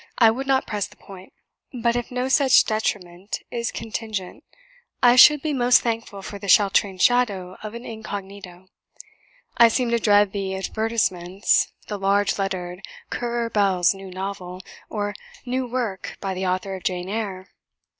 I would not press the point; but if no such detriment is contingent, I should be most thankful for the sheltering shadow of an incognito. I seem to dread the advertisements the large lettered 'Currer Bell's New Novel,' or 'New Work, by the Author of Jane Eyre.'